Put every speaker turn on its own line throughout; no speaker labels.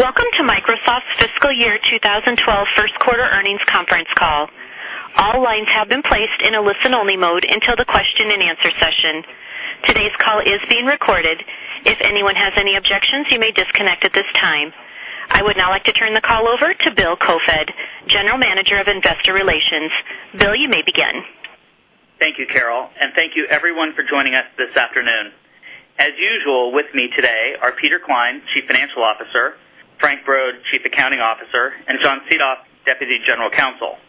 Welcome to Microsoft's Fiscal Year 2012 First Quarter Earnings Conference Call. All lines have been placed in a listen-only mode until the question and answer session. Today's call is being recorded. If anyone has any objections, you may disconnect at this time. I would now like to turn the call over to Bill Koefoed, General Manager of Investor Relations. Bill, you may begin.
Thank you, Carol, and thank you everyone for joining us this afternoon. As usual, with me today are Peter Klein, Chief Financial Officer, Frank Brod, Chief Accounting Officer, and John Seethoff, Deputy General Counsel.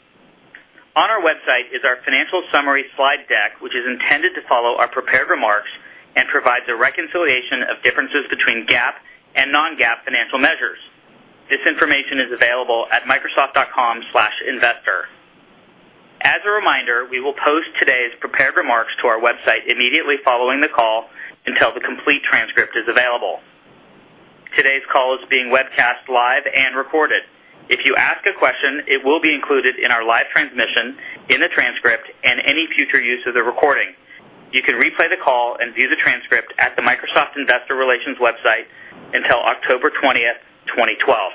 On our website is our financial summary slide deck, which is intended to follow our prepared remarks and provides a reconciliation of differences between GAAP and non-GAAP financial measures. This information is available at microsoft.com/investor. As a reminder, we will post today's prepared remarks to our website immediately following the call until the complete transcript is available. Today's call is being webcast live and recorded. If you ask a question, it will be included in our live transmission, in the transcript, and any future use of the recording. You can replay the call and view the transcript at the Microsoft Investor Relations website until October 20, 2012.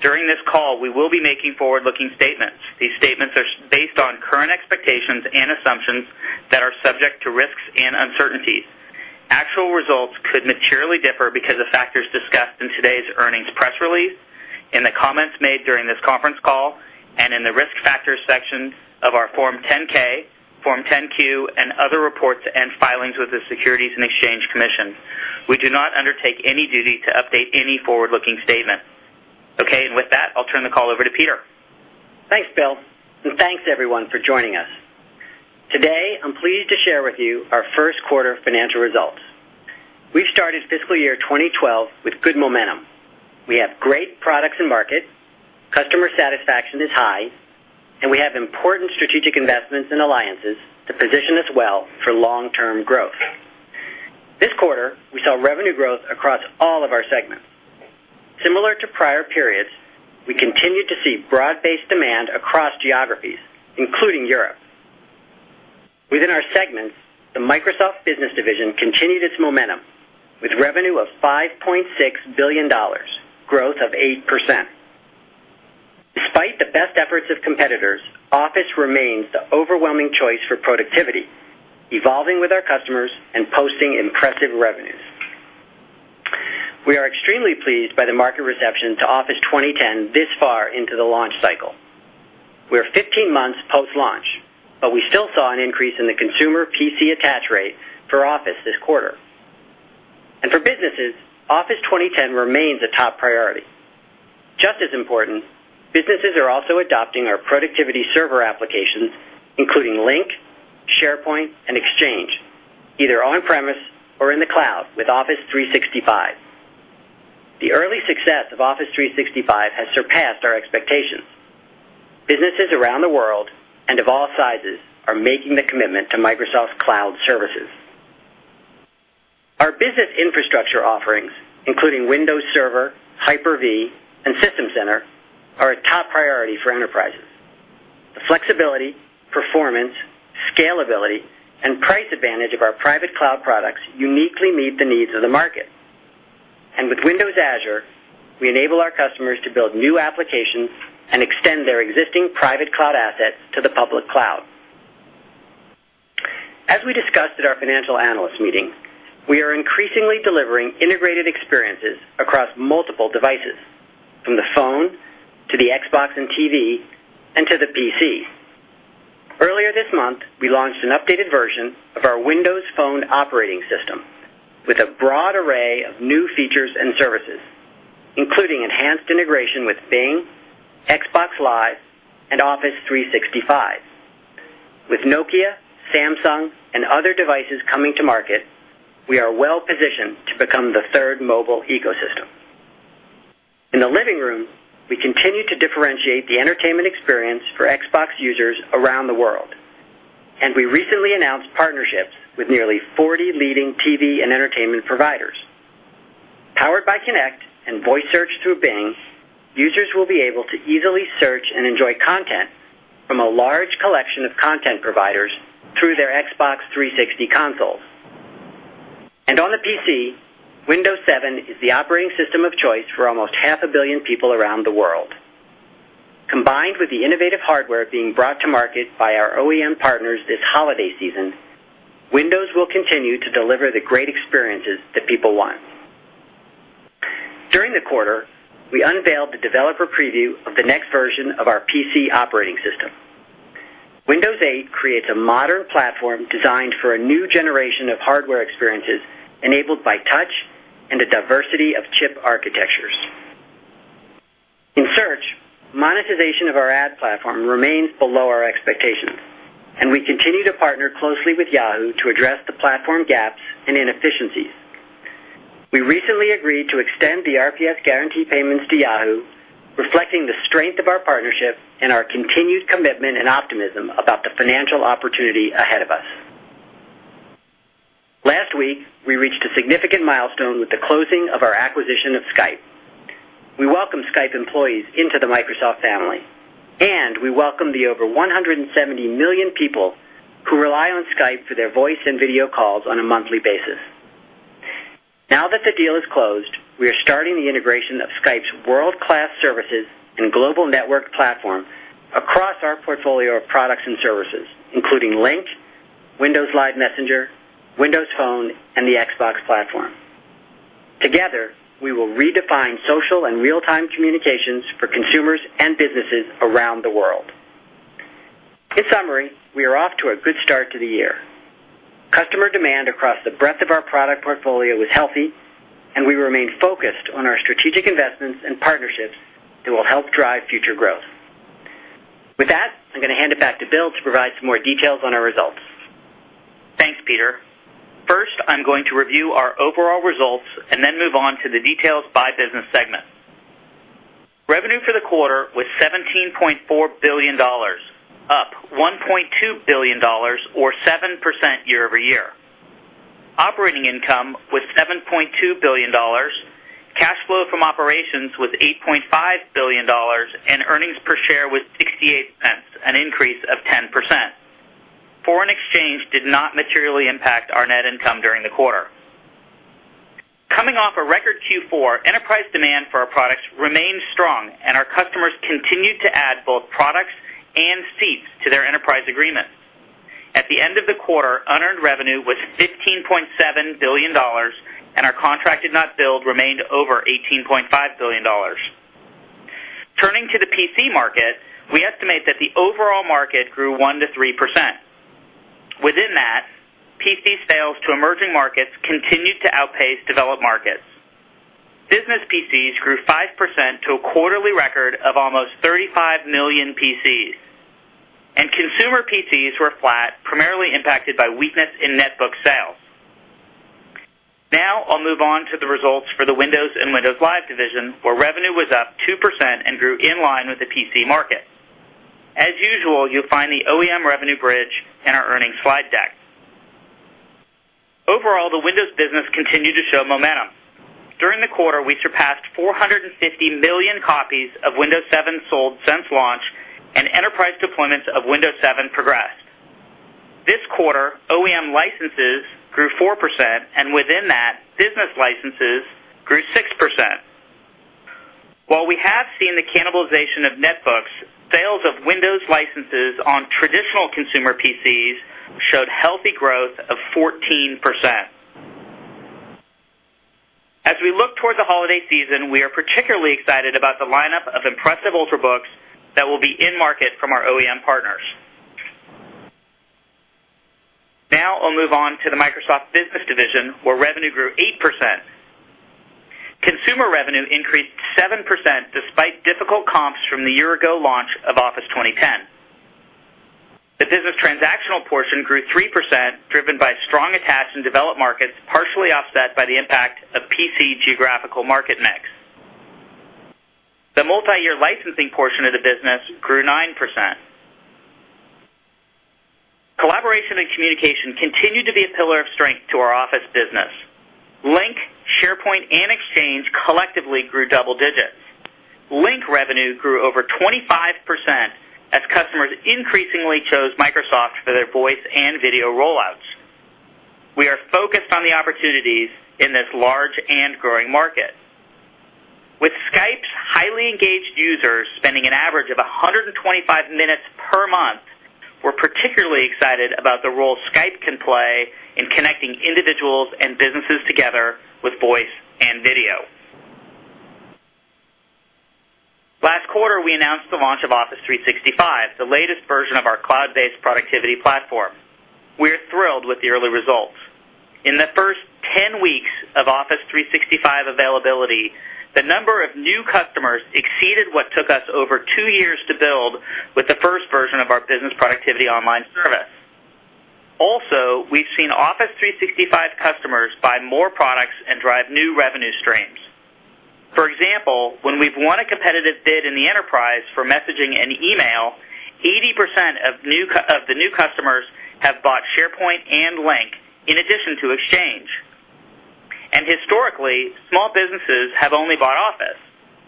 During this call, we will be making forward-looking statements. These statements are based on current expectations and assumptions that are subject to risks and uncertainties. Actual results could materially differ because of factors discussed in today's earnings press release, in the comments made during this conference call, and in the risk factors section of our Form 10-K, Form 10-Q, and other reports and filings with the Securities and Exchange Commission. We do not undertake any duty to update any forward-looking statement. With that, I'll turn the call over to Peter.
Thanks, Bill, and thanks everyone for joining us. Today, I'm pleased to share with you our first quarter financial results. We started fiscal year 2012 with good momentum. We have great products in market, customer satisfaction is high, and we have important strategic investments and alliances to position us well for long-term growth. This quarter, we saw revenue growth across all of our segments. Similar to prior periods, we continued to see broad-based demand across geographies, including Europe. Within our segments, the Microsoft Business Division continued its momentum with revenue of $5.6 billion, growth of 8%. Despite the best efforts of competitors, Office remains the overwhelming choice for productivity, evolving with our customers and posting impressive revenues. We are extremely pleased by the market reception to Office 2010 this far into the launch cycle. We're 15 months post-launch, but we still saw an increase in the consumer PC attach rate for Office this quarter. For businesses, Office 2010 remains a top priority. Just as important, businesses are also adopting our productivity server applications, including Lync, SharePoint, and Exchange, either on-premise or in the cloud with Office 365. The early success of Office 365 has surpassed our expectations. Businesses around the world and of all sizes are making the commitment to Microsoft's cloud services. Our business infrastructure offerings, including Windows Server, Hyper-V, and System Center, are a top priority for enterprises. The flexibility, performance, scalability, and price advantage of our private cloud products uniquely meet the needs of the market. With Windows Azure, we enable our customers to build new applications and extend their existing private cloud assets to the public cloud. As we discussed at our financial analyst meeting, we are increasingly delivering integrated experiences across multiple devices, from the phone to the Xbox and TV and to the PC. Earlier this month, we launched an updated version of our Windows Phone operating system with a broad array of new features and services, including enhanced integration with Bing, Xbox Live, and Office 365. With Nokia, Samsung, and other devices coming to market, we are well-positioned to become the third mobile ecosystem. In the living room, we continue to differentiate the entertainment experience for Xbox users around the world, and we recently announced partnerships with nearly 40 leading TV and entertainment providers. Powered by Kinect and voice search through Bing, users will be able to easily search and enjoy content from a large collection of content providers through their Xbox 360 consoles. On the PC, Windows 7 is the operating system of choice for almost half a billion people around the world. Combined with the innovative hardware being brought to market by our OEM partners this holiday season, Windows will continue to deliver the great experiences that people want. During the quarter, we unveiled the developer preview of the next version of our PC operating system. Windows 8 creates a modern platform designed for a new generation of hardware experiences enabled by touch and a diversity of chip architectures. In search, monetization of our ad platform remains below our expectations, and we continue to partner closely with Yahoo! to address the platform gaps and inefficiencies. We recently agreed to extend the RPS guarantee payments to Yahoo!, reflecting the strength of our partnership and our continued commitment and optimism about the financial opportunity ahead of us. Last week, we reached a significant milestone with the closing of our acquisition of Skype. We welcome Skype employees into the Microsoft family, and we welcome the over 170 million people who rely on Skype for their voice and video calls on a monthly basis. Now that the deal is closed, we are starting the integration of Skype's world-class services and global network platform across our portfolio of products and services, including Lync, Windows Live Messenger, Windows Phone, and the Xbox platform. Together, we will redefine social and real-time communications for consumers and businesses around the world. In summary, we are off to a good start to the year. Customer demand across the breadth of our product portfolio is healthy, and we remain focused on our strategic investments and partnerships that will help drive future growth. With that, I'm going to hand it back to Bill to provide some more details on our results.
Thanks, Peter. First, I'm going to review our overall results and then move on to the details by business segment. Revenue for the quarter was $17.4 billion, up $1.2 billion or 7% year-over-year. Operating income was $7.2 billion, cash flow from operations was $8.5 billion, and earnings per share was $0.68, an increase of 10%. Foreign exchange did not materially impact our net income during the quarter. Coming off a record Q4, enterprise demand for our products remains strong, and our customers continued to add both products and seats to their enterprise agreements. At the end of the quarter, unearned revenue was $15.7 billion, and our contracted net build remained over $18.5 billion. Turning to the PC market, we estimate that the overall market grew 1% to 3%. Within that, PC sales to emerging markets continued to outpace developed markets. Business PCs grew 5% to a quarterly record of almost 35 million PCs, and consumer PCs were flat, primarily impacted by weakness in netbook sales. Now, I'll move on to the results for the Windows and Windows Live division, where revenue was up 2% and grew in line with the PC market. As usual, you'll find the OEM revenue bridge in our earnings slide deck. Overall, the Windows business continued to show momentum. During the quarter, we surpassed 450 million copies of Windows 7 sold since launch, and enterprise deployments of Windows 7 progressed. This quarter, OEM licenses grew 4%, and within that, business licenses grew 6%. While we have seen the cannibalization of netbooks, sales of Windows licenses on traditional consumer PCs showed healthy growth of 14%. As we look towards the holiday season, we are particularly excited about the lineup of impressive Ultrabooks that will be in market from our OEM partners. Now, I'll move on to the Microsoft Business Division, where revenue grew 8%. Consumer revenue increased 7% despite difficult comps from the year-ago launch of Office 2010. The business transactional portion grew 3%, driven by strong attacks in developed markets, partially offset by the impact of PC geographical market mix. The multi-year licensing portion of the business grew 9%. Collaboration and communication continued to be a pillar of strength to our Office business. Lync, SharePoint, and Exchange collectively grew double digits. Lync revenue grew over 25% as customers increasingly chose Microsoft for their voice and video rollouts. We are focused on the opportunities in this large and growing market. With Skype's highly engaged users spending an average of 125 minutes per month, we're particularly excited about the role Skype can play in connecting individuals and businesses together with voice and video. Last quarter, we announced the launch of Office 365, the latest version of our cloud-based productivity platform. We're thrilled with the early results. In the first 10 weeks of Office 365 availability, the number of new customers exceeded what took us over two years to build with the first version of our business productivity online service. Also, we've seen Office 365 customers buy more products and drive new revenue streams. For example, when we've won a competitive bid in the enterprise for messaging and e-mail, 80% of the new customers have bought SharePoint and Lync, in addition to Exchange. Historically, small businesses have only bought Office,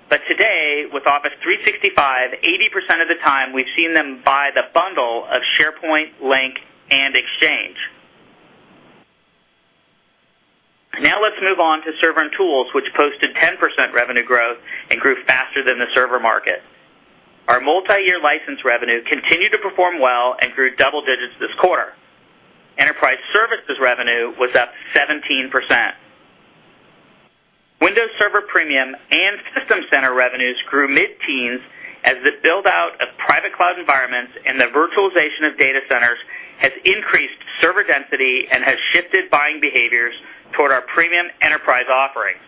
but today, with Office 365, 80% of the time we've seen them buy the bundle of SharePoint, Lync, and Exchange. Now, let's move on to Server and Tools, which posted 10% revenue growth and grew faster than the server market. Our multi-year license revenue continued to perform well and grew double digits this quarter. Enterprise services revenue was up 17%. Windows Server Premium and System Center revenues grew mid-teens as the build-out of private cloud environments and the virtualization of data centers has increased server density and has shifted buying behaviors toward our premium enterprise offerings.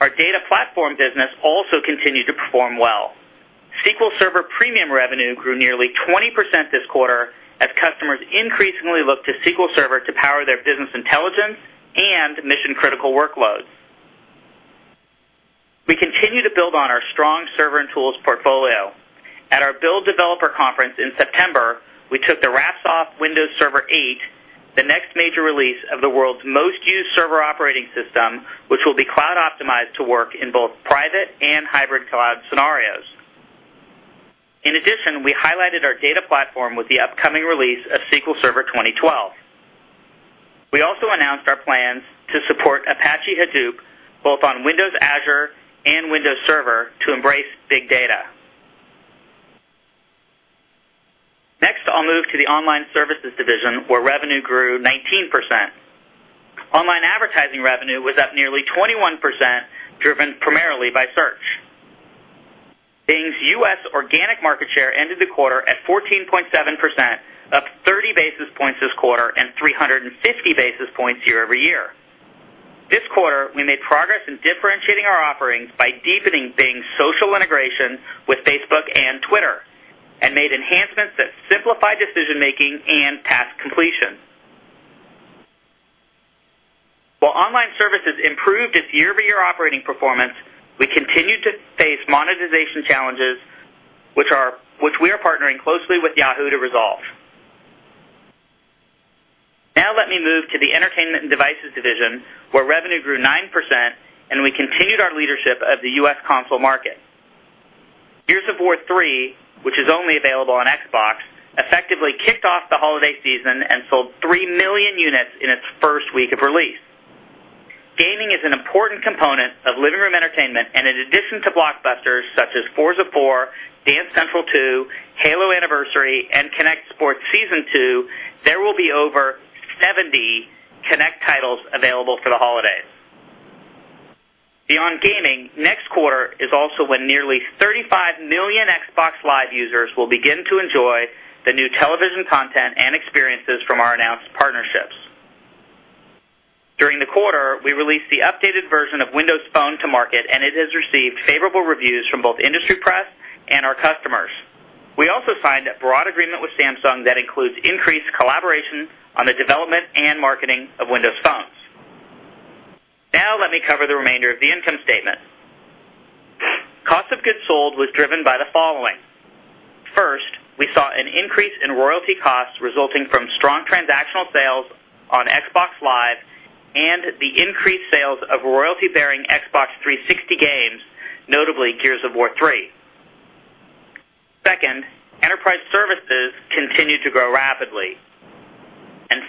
Our data platform business also continued to perform well. SQL Server Premium revenue grew nearly 20% this quarter as customers increasingly look to SQL Server to power their business intelligence and mission-critical workloads. We continue to build on our strong server and tools portfolio. At our Build Developer Conference in September, we took the wraps off Windows Server 8, the next major release of the world's most used server operating system, which will be cloud-optimized to work in both private and hybrid cloud scenarios. In addition, we highlighted our data platform with the upcoming release of SQL Server 2012. We also announced our plans to support Apache Hadoop, both on Windows Azure and Windows Server, to embrace big data. Next, I'll move to the online services division, where revenue grew 19%. Online advertising revenue was up nearly 21%, driven primarily by search. Bing's U.S. organic market share ended the quarter at 14.7%, up 30 basis points this quarter and 350 basis points year-over-year. This quarter, we made progress in differentiating our offerings by deepening Bing's social integration with Facebook and Twitter and made enhancements that simplify decision-making and task completion. While online services improved its year-over-year operating performance, we continued to face monetization challenges, which we are partnering closely with Yahoo! to resolve. Now, let me move to the entertainment and devices division, where revenue grew 9% and we continued our leadership of the U.S. console market. Gears of War 3, which is only available on Xbox, effectively kicked off the holiday season and sold 3 million units in its first week of release. Gaming is an important component of living room entertainment, and in addition to blockbusters such as Forza 4, Dance Central 2, Halo Anniversary, and Kinect Sports Season 2, there will be over 70 Kinect titles available for the holidays. Beyond gaming, next quarter is also when nearly 35 million Xbox Live users will begin to enjoy the new television content and experiences from our announced partnerships. During the quarter, we released the updated version of Windows Phone to market, and it has received favorable reviews from both industry press and our customers. We also signed a broad agreement with Samsung that includes increased collaboration on the development and marketing of Windows Phones. Now, let me cover the remainder of the income statement. Cost of goods sold was driven by the following: first, we saw an increase in royalty costs resulting from strong transactional sales on Xbox Live and the increased sales of royalty-bearing Xbox 360 games, notably Gears of War 3. Second, enterprise services continued to grow rapidly.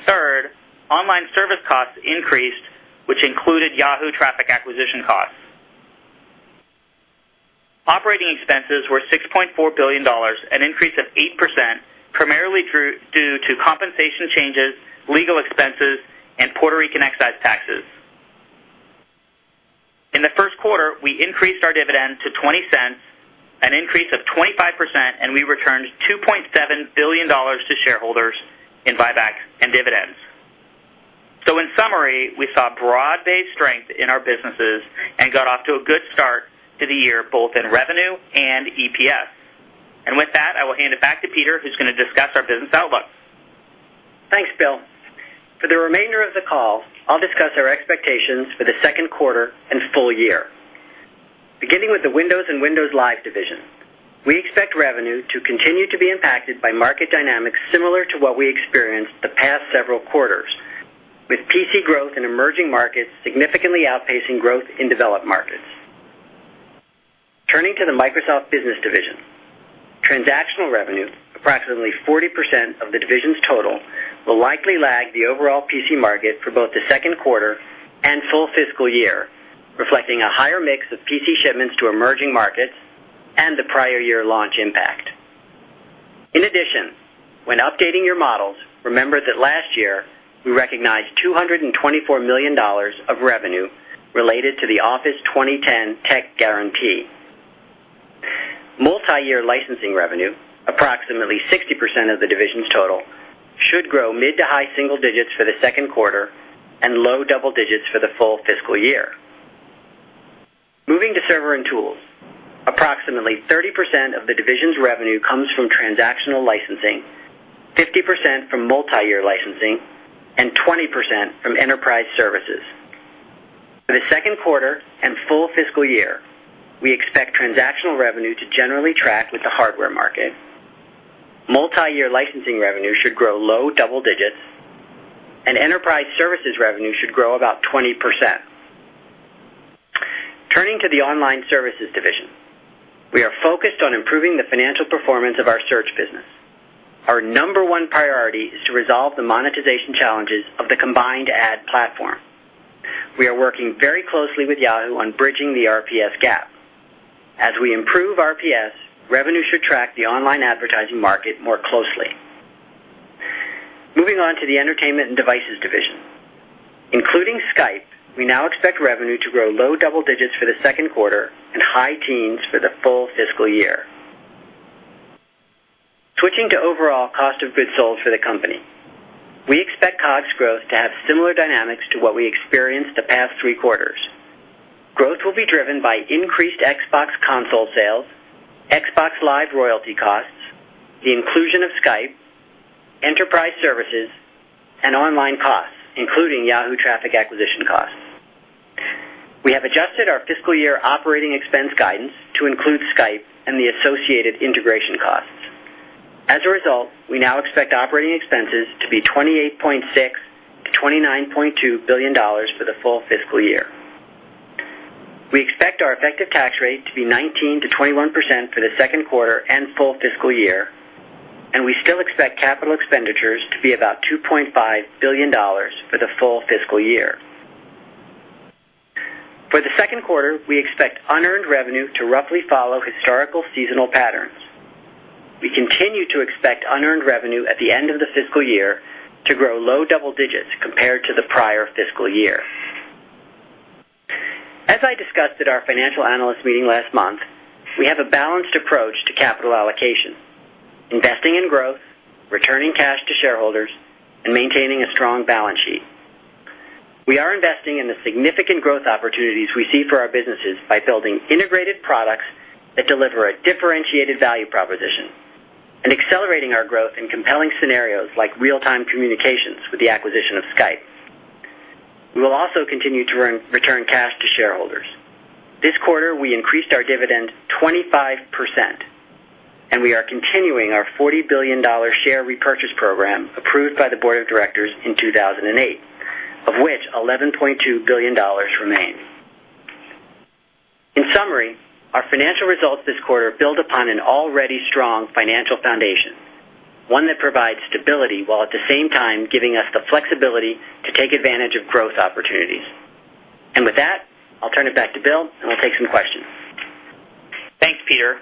Third, online service costs increased, which included Yahoo! traffic acquisition costs. Operating expenses were $6.4 billion, an increase of 8%, primarily due to compensation changes, legal expenses, and Puerto Rican excise taxes. In the first quarter, we increased our dividend to $0.20, an increase of 25%, and we returned $2.7 billion to shareholders in buybacks and dividends. In summary, we saw broad-based strength in our businesses and got off to a good start to the year, both in revenue and EPS. With that, I will hand it back to Peter, who's going to discuss our business outlook.
Thanks, Bill. For the remainder of the call, I'll discuss our expectations for the second quarter and full year. Beginning with the Windows and Windows Live division, we expect revenue to continue to be impacted by market dynamics similar to what we experienced the past several quarters, with PC growth in emerging markets significantly outpacing growth in developed markets. Turning to the Microsoft Business division, transactional revenue, approximately 40% of the division's total, will likely lag the overall PC market for both the second quarter and full fiscal year, reflecting a higher mix of PC shipments to emerging markets and the prior year launch impact. In addition, when updating your models, remember that last year we recognized $224 million of revenue related to the Office 2010 Tech Guarantee. Multi-year licensing revenue, approximately 60% of the division's total, should grow mid to high single digits for the second quarter and low double digits for the full fiscal year. Moving to server and tools, approximately 30% of the division's revenue comes from transactional licensing, 50% from multi-year licensing, and 20% from enterprise services. For the second quarter and full fiscal year, we expect transactional revenue to generally track with the hardware market. Multi-year licensing revenue should grow low double digits, and enterprise services revenue should grow about 20%. Turning to the Online Services Division, we are focused on improving the financial performance of our search business. Our number one priority is to resolve the monetization challenges of the combined ad platform. We are working very closely with Yahoo! on bridging the RPS gap. As we improve RPS, revenue should track the online advertising market more closely. Moving on to the Entertainment and Devices Division, including Skype, we now expect revenue to grow low double digits for the second quarter and high teens for the full fiscal year. Switching to overall cost of goods sold for the company, we expect COGS growth to have similar dynamics to what we experienced the past three quarters. Growth will be driven by increased Xbox console sales, Xbox Live royalty costs, the inclusion of Skype, enterprise services, and online costs, including Yahoo! traffic acquisition costs. We have adjusted our fiscal year operating expense guidance to include Skype and the associated integration costs. As a result, we now expect operating expenses to be $28.6 billion - $29.2 billion for the full fiscal year. We expect our effective tax rate to be 19% - 21% for the second quarter and full fiscal year, and we still expect capital expenditures to be about $2.5 billion for the full fiscal year. For the second quarter, we expect unearned revenue to roughly follow historical seasonal patterns. We continue to expect unearned revenue at the end of the fiscal year to grow low double digits compared to the prior fiscal year. As I discussed at our financial analyst meeting last month, we have a balanced approach to capital allocation, investing in growth, returning cash to shareholders, and maintaining a strong balance sheet. We are investing in the significant growth opportunities we see for our businesses by building integrated products that deliver a differentiated value proposition and accelerating our growth in compelling scenarios like real-time communications with the acquisition of Skype. We will also continue to return cash to shareholders. This quarter, we increased our dividend 25%, and we are continuing our $40 billion share repurchase program approved by the Board of Directors in 2008, of which $11.2 billion remains. In summary, our financial results this quarter build upon an already strong financial foundation, one that provides stability while at the same time giving us the flexibility to take advantage of growth opportunities. With that, I'll turn it back to Bill, and I'll take some questions.
Thanks, Peter.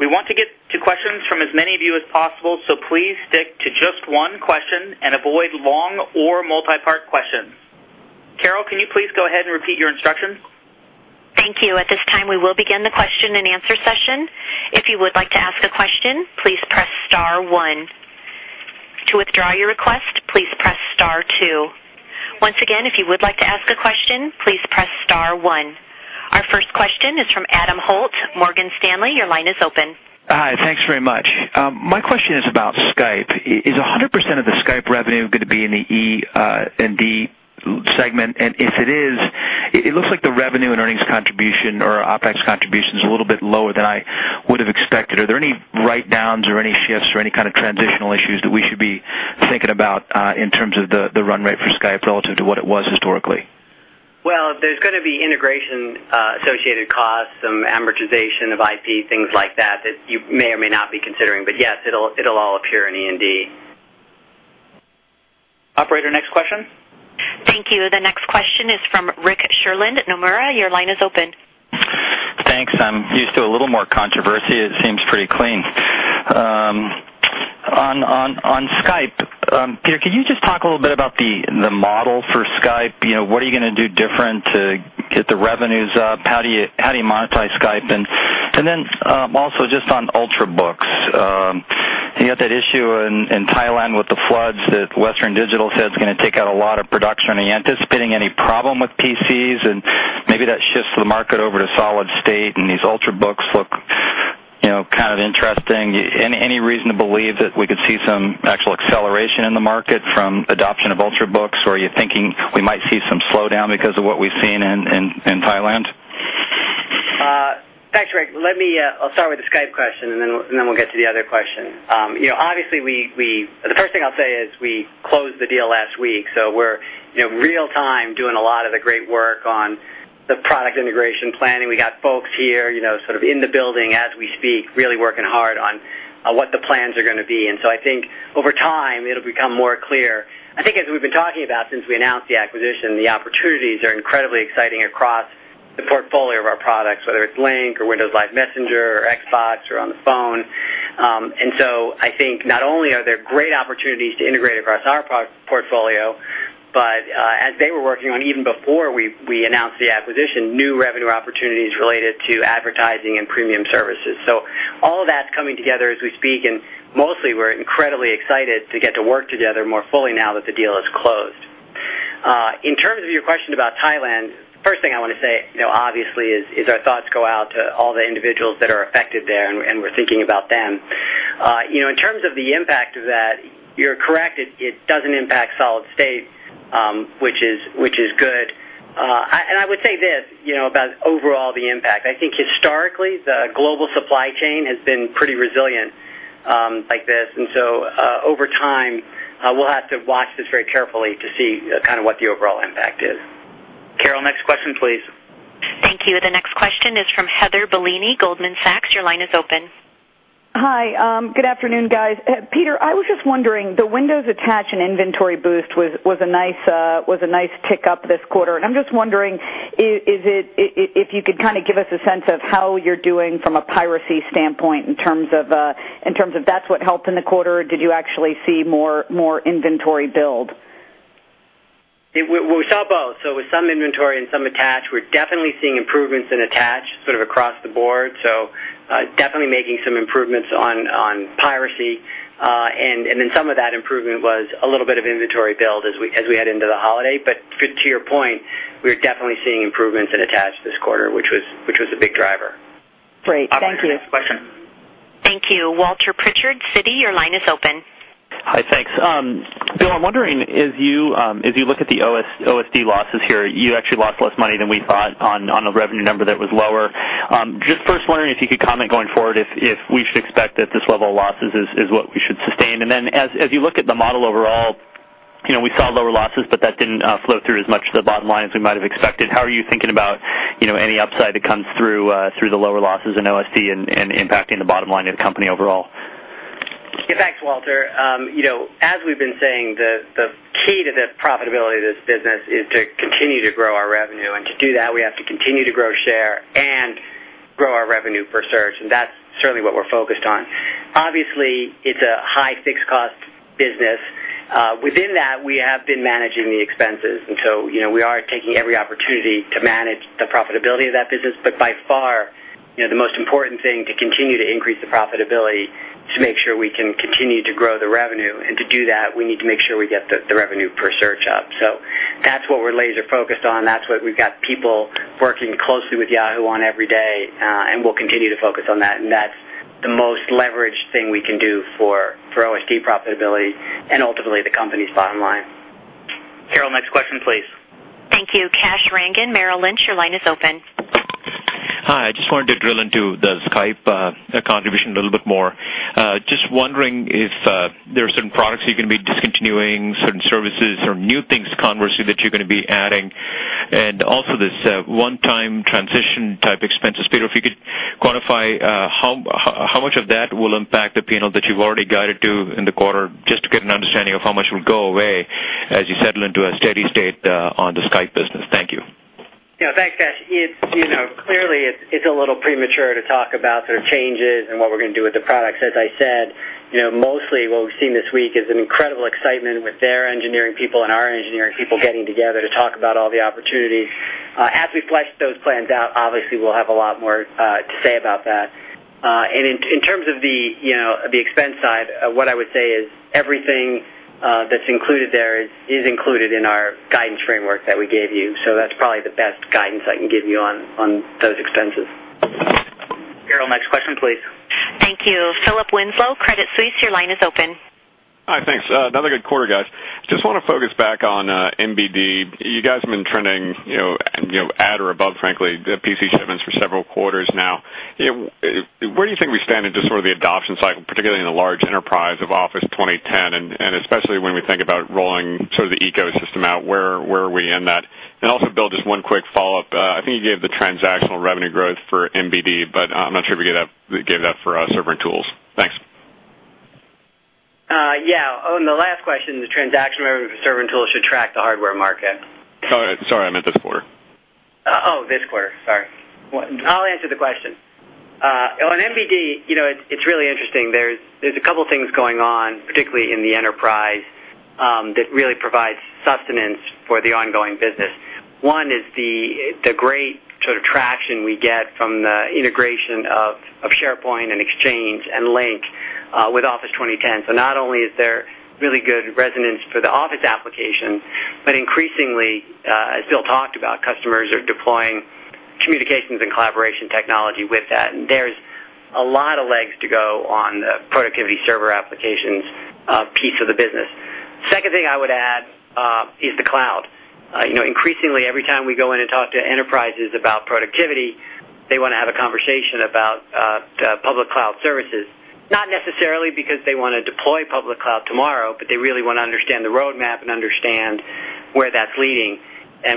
We want to get to questions from as many of you as possible, so please stick to just one question and avoid long or multi-part questions. Carol, can you please go ahead and repeat your instruction?
Thank you. At this time, we will begin the question and answer session. If you would like to ask a question, please press star one. To withdraw your request, please press star two. Once again, if you would like to ask a question, please press star one. Our first question is from Adam Holt at Morgan Stanley. Your line is open.
Hi, thanks very much. My question is about Skype. Is 100% of the Skype revenue going to be in the E&D segment? If it is, it looks like the revenue and earnings contribution or OpEx contribution is a little bit lower than I would have expected. Are there any write-downs or any shifts or any kind of transitional issues that we should be thinking about in terms of the run rate for Skype relative to what it was historically?
There are going to be integration associated costs, some amortization of IP, things like that that you may or may not be considering. Yes, it'll all appear in E&D.
Operator, next question.
Thank you. The next question is from Rick Sherlund at Nomura. Your line is open.
Thanks. I'm used to a little more controversy. It seems pretty clean. On Skype, Peter, can you just talk a little bit about the model for Skype? You know, what are you going to do different to get the revenues up? How do you monetize Skype? Also, just on Ultrabooks, you got that issue in Thailand with the floods that Western Digital said is going to take out a lot of production. Are you anticipating any problem with PCs and maybe that shifts the market over to solid state and these Ultrabooks look, you know, kind of interesting? Any reason to believe that we could see some actual acceleration in the market from adoption of Ultrabooks, or are you thinking we might see some slowdown because of what we've seen in Thailand?
Thanks, Rick. Let me start with the Skype question and then we'll get to the other question. Obviously, the first thing I'll say is we closed the deal last week, so we're real-time doing a lot of the great work on the product integration planning. We got folks here, sort of in the building as we speak, really working hard on what the plans are going to be. I think over time it'll become more clear. I think as we've been talking about since we announced the acquisition, the opportunities are incredibly exciting across the portfolio of our products, whether it's Lync or Windows Live Messenger or Xbox or on the phone. I think not only are there great opportunities to integrate across our portfolio, but as they were working on even before we announced the acquisition, new revenue opportunities related to advertising and premium services. All of that's coming together as we speak, and mostly we're incredibly excited to get to work together more fully now that the deal is closed. In terms of your question about Thailand, the first thing I want to say, obviously, is our thoughts go out to all the individuals that are affected there, and we're thinking about them. In terms of the impact of that, you're correct, it doesn't impact solid state, which is good. I would say this about overall the impact. I think historically the global supply chain has been pretty resilient like this, and over time we'll have to watch this very carefully to see kind of what the overall impact is.
Carol, next question, please.
Thank you. The next question is from Heather Bellini at Goldman Sachs. Your line is open.
Hi, good afternoon, guys. Peter, I was just wondering, the Windows attach and inventory boost was a nice tick up this quarter. I'm just wondering if you could kind of give us a sense of how you're doing from a piracy standpoint in terms of that's what helped in the quarter. Did you actually see more inventory build?
We saw both. With some inventory and some attach, we're definitely seeing improvements in attach across the board. We're definitely making some improvements on piracy, and some of that improvement was a little bit of inventory build as we head into the holiday. To your point, we're definitely seeing improvements in attach this quarter, which was a big driver.
Great, thank you.
Operator next question.
Thank you. Walter Pritchard at Citi, your line is open.
Hi, thanks. Bill, I'm wondering, as you look at the OSD losses here, you actually lost less money than we thought on a revenue number that was lower. Just first wondering if you could comment going forward if we should expect that this level of losses is what we should sustain. As you look at the model overall, you know, we saw lower losses, but that didn't flow through as much to the bottom line as we might have expected. How are you thinking about any upside that comes through the lower losses in OSD and impacting the bottom line of the company overall?
Yeah, thanks, Walter. As we've been saying, the key to the profitability of this business is to continue to grow our revenue, and to do that, we have to continue to grow share and grow our revenue per search, and that's certainly what we're focused on. Obviously, it's a high fixed cost business. Within that, we have been managing the expenses, and we are taking every opportunity to manage the profitability of that business. By far, the most important thing to continue to increase the profitability is to make sure we can continue to grow the revenue, and to do that, we need to make sure we get the revenue per search up. That's what we're laser-focused on. That's what we've got people working closely with Yahoo! on every day, and we'll continue to focus on that, and that's the most leveraged thing we can do for OSD profitability and ultimately the company's bottom line.
Carol, next question, please.
Thank you. Kash Rangan at Merrill Lynch, your line is open.
Hi, I just wanted to drill into the Skype contribution a little bit more. Just wondering if there are certain products you will be discontinuing, certain services, or new things conversely that you're going to be adding, and also this one-time transition type expenses. Peter, if you could quantify how much of that will impact the panel that you've already guided to in the quarter, just to get an understanding of how much will go away as you settle into a steady state on the Skype business. Thank you.
Yeah, thanks, Kash. Clearly it's a little premature to talk about sort of changes and what we're going to do with the products. As I said, mostly what we've seen this week is an incredible excitement with their engineering people and our engineering people getting together to talk about all the opportunity. As we flesh those plans out, obviously we'll have a lot more to say about that. In terms of the expense side, what I would say is everything that's included there is included in our guidance framework that we gave you. That's probably the best guidance I can give you on those expenses.
Carol, next question, please.
Thank you. Philip Winslow at Credit Suisse, your line is open.
Hi, thanks. Another good quarter, guys. I just want to focus back on MBD. You guys have been trending, you know, at or above, frankly, the PC shipments for several quarters now. Where do you think we stand in just sort of the adoption cycle, particularly in the large enterprise of Office 2010, especially when we think about rolling sort of the ecosystem out? Where are we in that? Also, Bill, just one quick follow-up. I think you gave the transactional revenue growth for MBD, but I'm not sure if you gave that for server and tools. Thanks.
On the last question, the transactional revenue for Server and Tools should track the hardware market.
Sorry, I meant this quarter.
This quarter, sorry. I'll answer the question. On MBD, you know, it's really interesting. There's a couple of things going on, particularly in the enterprise, that really provide sustenance for the ongoing business. One is the great sort of traction we get from the integration of SharePoint and Exchange and Lync with Office 2010. Not only is there really good resonance for the Office application, but increasingly, as Bill talked about, customers are deploying communications and collaboration technology with that. There's a lot of legs to go on the productivity server applications piece of the business. The second thing I would add is the cloud. Increasingly, every time we go in and talk to enterprises about productivity, they want to have a conversation about the public cloud services, not necessarily because they want to deploy public cloud tomorrow, but they really want to understand the roadmap and understand where that's leading.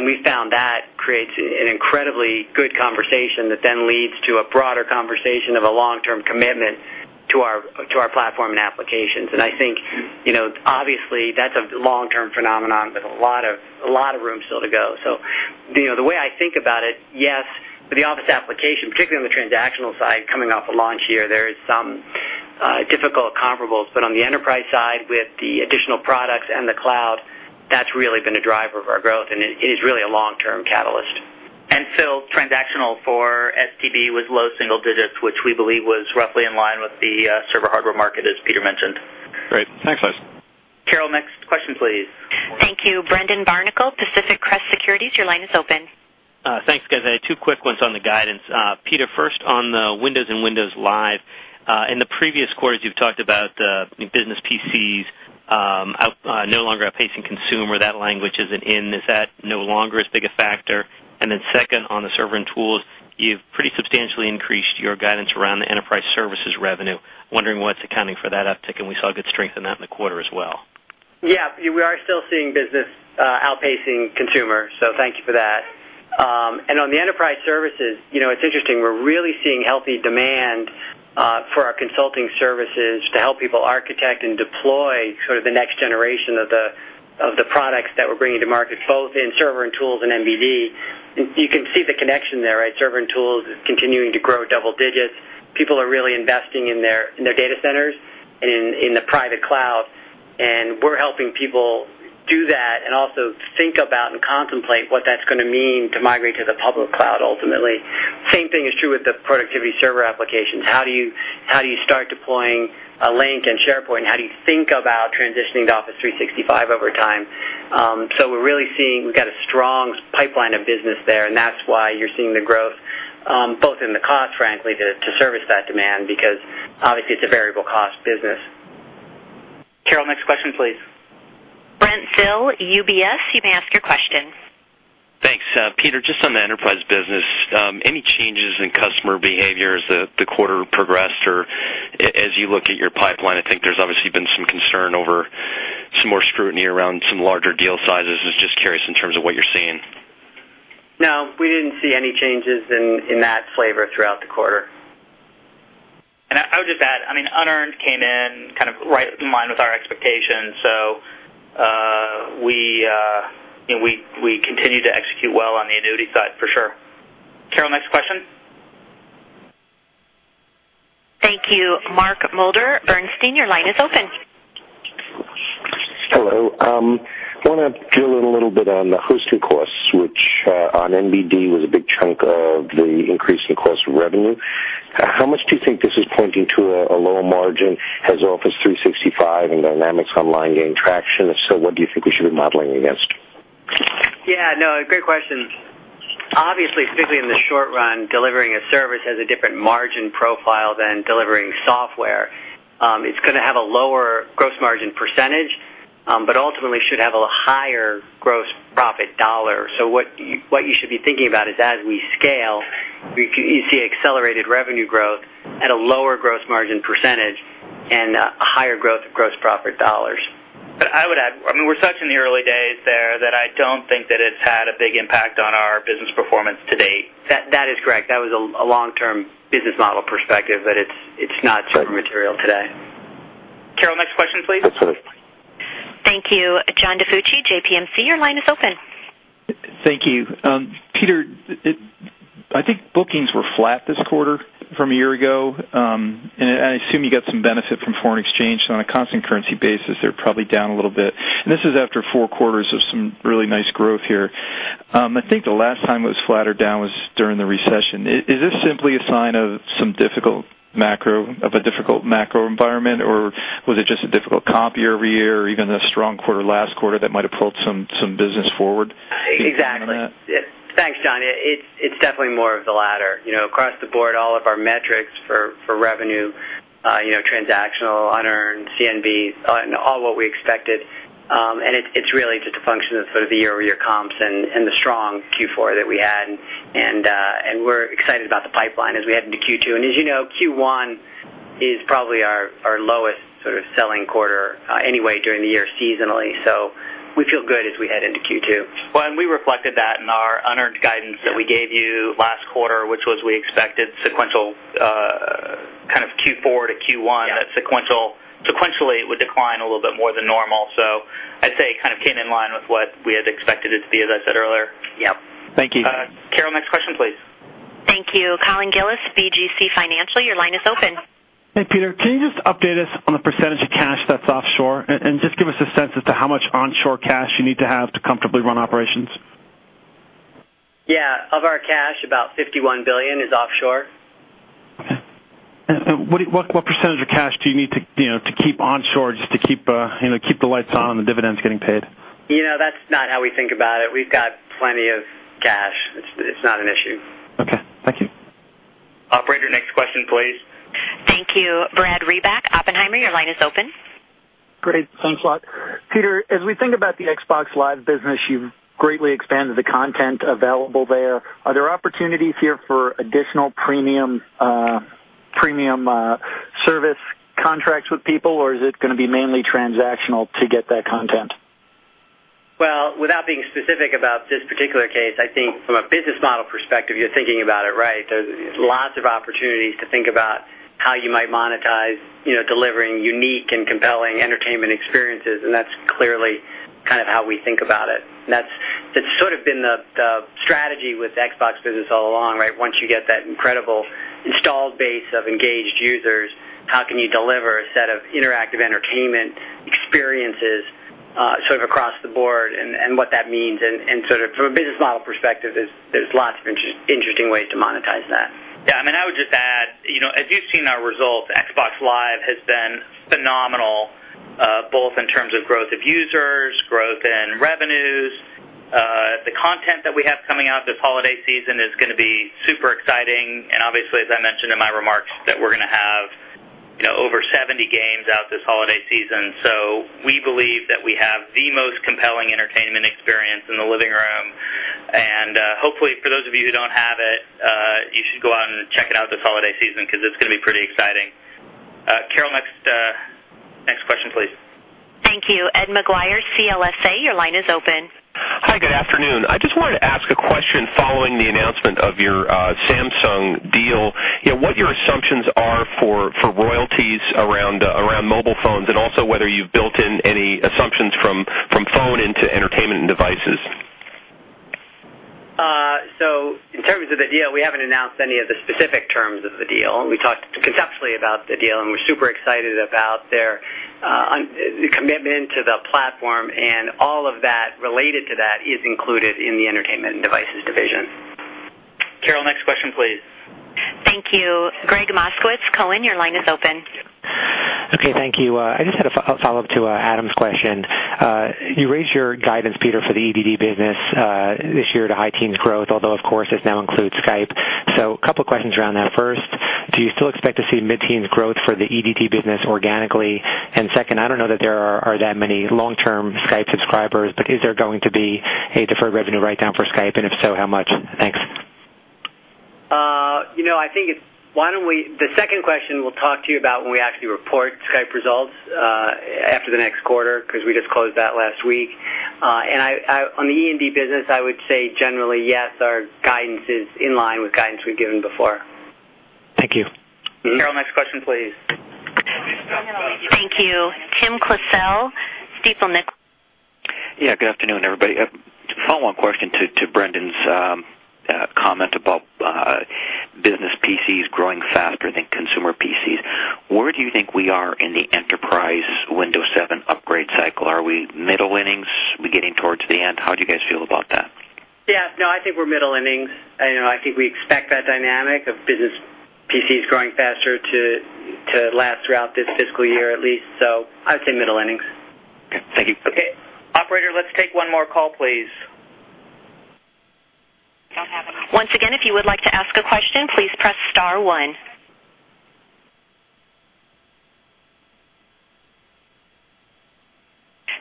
We found that creates an incredibly good conversation that then leads to a broader conversation of a long-term commitment to our platform and applications. I think, you know, obviously that's a long-term phenomenon with a lot of room still to go. The way I think about it, yes, for the Office application, particularly on the transactional side, coming off a launch year, there are some difficult comparables, but on the enterprise side with the additional products and the cloud, that's really been a driver of our growth, and it is really a long-term catalyst.
Transactional for STB was low single digits, which we believe was roughly in line with the server hardware market, as Peter mentioned.
Great, thanks, guys.
Carol, next question, please.
Thank you. Brendan Barnicle at Pacific Crest Securities, your line is open.
Thanks, guys. I had two quick ones on the guidance. Peter, first on the Windows and Windows Live. In the previous quarters, you've talked about the business PCs no longer outpacing consumer. That language isn't in. Is that no longer as big a factor? Second, on the server and tools, you've pretty substantially increased your guidance around the enterprise services revenue. Wondering what's accounting for that uptick, and we saw good strength in that in the quarter as well.
Yeah, we are still seeing business outpacing consumer, thank you for that. On the enterprise services, it's interesting. We're really seeing healthy demand for our consulting services to help people architect and deploy sort of the next generation of the products that we're bringing to market, both in server and tools and MBD. You can see the connection there, right? Server and tools are continuing to grow double digits. People are really investing in their data centers and in the private cloud, and we're helping people do that and also think about and contemplate what that's going to mean to migrate to the public cloud ultimately. The same thing is true with the productivity server applications. How do you start deploying Lync and SharePoint? How do you think about transitioning to Office 365 over time? We're really seeing we've got a strong pipeline of business there, and that's why you're seeing the growth, both in the cost, frankly, to service that demand because obviously it's a variable cost business.
Carol, next question, please.
Brent Thill at UBS, you may ask your question.
Thanks. Peter, just on the enterprise business, any changes in customer behavior as the quarter progressed or as you look at your pipeline? I think there's obviously been some concern over some more scrutiny around some larger deal sizes. I was just curious in terms of what you're seeing.
No, we didn't see any changes in that flavor throughout the quarter.
I would just add, I mean, unearned came in kind of right in line with our expectations. We continue to execute well on the annuity side for sure. Carol, next question.
Thank you. Mark Moerdler at Bernstein your line is open.
Hello. I want to drill in a little bit on the hosting costs, which on MBD was a big chunk of the increase in the cost of revenue. How much do you think this is pointing to a lower margin? Has Office 365 and Dynamics 365 Online gained traction? If so, what do you think we should be modeling against?
Great questions. Obviously, particularly in the short run, delivering a service has a different margin profile than delivering software. It's going to have a lower gross margin percentage, but ultimately should have a higher gross profit dollar. What you should be thinking about is as we scale, you see accelerated revenue growth at a lower gross margin % and a higher growth of gross profit dollars.
I would add, I mean, we're such in the early days there that I don't think that it's had a big impact on our business performance to date.
That is correct. That was a long-term business model perspective, but it's not super material today.
Carol, next question, please.
Thank you. John DiFucci at JPMC, your line is open.
Thank you. Peter, I think bookings were flat this quarter from a year ago, and I assume you got some benefit from foreign exchange. On a constant currency basis, they're probably down a little bit. This is after four quarters of some really nice growth here. I think the last time it was flat or down was during the recession. Is this simply a sign of a difficult macro environment, or was it just a difficult comp year over year or even a strong quarter last quarter that might have pulled some business forward?
Exactly. Thanks, John. It's definitely more of the latter. Across the board, all of our metrics for revenue, transactional, unearned CNB, all what we expected, and it's really just a function of the year-over-year comps and the strong Q4 that we had. We're excited about the pipeline as we head into Q2. As you know, Q1 is probably our lowest selling quarter anyway during the year seasonally, so we feel good as we head into Q2.
We reflected that in our unearned guidance that we gave you last quarter, which was we expected sequential kind of Q4 to Q1 that sequentially it would decline a little bit more than normal. I'd say it kind of came in line with what we had expected it to be, as I said earlier.
Thank you.
Carol, next question, please.
Thank you. Colin Gillis at BGC Financial, your line is open.
Hey, Peter, can you just update us on the % of cash that's offshore and just give us a sense as to how much onshore cash you need to have to comfortably run operations?
Yeah, of our cash, about $51 billion is offshore.
What percentage of cash do you need to keep onshore just to keep the lights on and the dividends getting paid?
That's not how we think about it. We've got plenty of cash. It's not an issue.
Okay, thank you.
Operator, next question, please.
Thank you. Brad Reback at Oppenheimer, your line is open.
Great, thanks a lot. Peter, as we think about the Xbox Live business, you've greatly expanded the content available there. Are there opportunities here for additional premium service contracts with people, or is it going to be mainly transactional to get that content?
From a business model perspective, you're thinking about it right. There's lots of opportunities to think about how you might monetize, you know, delivering unique and compelling entertainment experiences, and that's clearly kind of how we think about it. That's sort of been the strategy with the Xbox business all along, right? Once you get that incredible installed base of engaged users, how can you deliver a set of interactive entertainment experiences sort of across the board and what that means? From a business model perspective, there's lots of interesting ways to monetize that.
Yeah, I mean, I would just add, as you've seen our results, Xbox Live has been phenomenal, both in terms of growth of users and growth in revenues. The content that we have coming out this holiday season is going to be super exciting. Obviously, as I mentioned in my remarks, we're going to have over 70 games out this holiday season. We believe that we have the most compelling entertainment experience in the living room. Hopefully, for those of you who don't have it, you should go out and check it out this holiday season because it's going to be pretty exciting. Carol, next question, please.
Thank you. Ed Maguire at CLSA, your line is open.
Hi, good afternoon. I just wanted to ask a question following the announcement of your Samsung deal. You know, what your assumptions are for royalties around mobile phones, and also whether you've built in any assumptions from phone into Entertainment and Devices.
In terms of the deal, we haven't announced any of the specific terms of the deal. We talked conceptually about the deal, and we're super excited about their commitment to the platform, and all of that related to that is included in the Entertainment and Devices Division.
Carol, next question, please.
Thank you. Gregg Moskowitz at Cowen, your line is open.
Okay, thank you. I just had a follow-up to Adam's question. You raised your guidance, Peter, for the EDD business this year to high teens growth, although of course this now includes Skype. A couple of questions around that. First, do you still expect to see mid-teens growth for the EDD business organically? Second, I don't know that there are that many long-term Skype subscribers, but is there going to be a deferred revenue write-down for Skype, and if so, how much?
Thanks. I think it's, why don't we, the second question we'll talk to you about when we actually report Skype results after the next quarter because we just closed that last week. On the E&D business, I would say generally, yes, our guidance is in line with guidance we've given before.
Thank you.
Carol, next question, please.
Thank you. Tim Klasell at Stifel, Nicolaus & Co.
Good afternoon, everybody. I have a follow-on question to Brendan's comment about business PCs growing faster than consumer PCs. Where do you think we are in the enterprise Windows 7 upgrade cycle? Are we middle innings? Are we getting towards the end? How do you guys feel about that?
Yeah, no, I think we're middle innings. I think we expect that dynamic of business PCs growing faster to last throughout this fiscal year at least. I would say middle innings.
Okay, thank you.
Okay, operator, let's take one more call, please.
Once again, if you would like to ask a question, please press star one.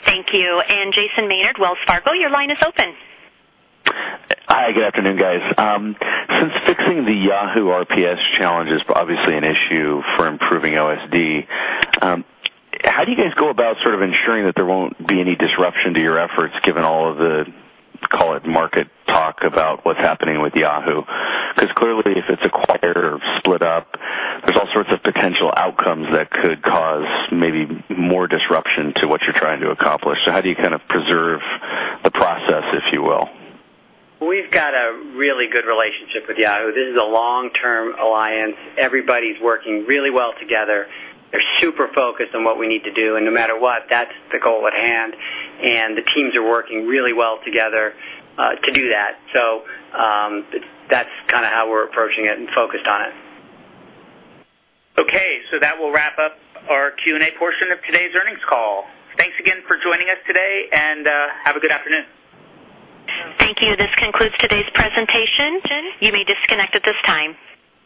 Thank you. Jason Maynard at Wells Fargo, your line is open.
Hi, good afternoon, guys. Since fixing the Yahoo! RPS challenge is obviously an issue for improving OSD, how do you guys go about ensuring that there won't be any disruption to your efforts given all of the, call it, market talk about what's happening with Yahoo!? Because clearly, if it's acquired or split up, there are all sorts of potential outcomes that could cause maybe more disruption to what you're trying to accomplish. How do you kind of preserve the process, if you will?
We've got a really good relationship with Yahoo! This is a long-term alliance. Everybody's working really well together. They're super focused on what we need to do, and no matter what, that's the goal at hand. The teams are working really well together to do that. That's kind of how we're approaching it and focused on it. Okay, that will wrap up our Q&A portion of today's earnings call. Thanks again for joining us today, and have a good afternoon.
Thank you. This concludes today's presentation. You may disconnect at this time.